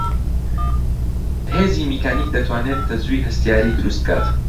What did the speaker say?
هێزی میکانیک دەتوانێت تەزووی هەستیاری دروست بکات